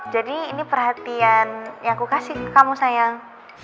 jadi ini perhatian yang aku kasih ke kamu sayang